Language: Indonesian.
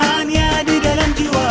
hanya di dalam jiwa